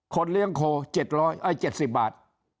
เลี้ยงโค๗๗๐บาท